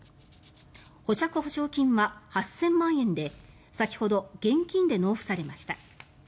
保釈保証金は８０００万円で先ほど、現金で納付されました。